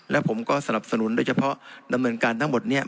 และผมก็สนับสนุนโดยเฉพาะดำเนินการทั้งหมดนี้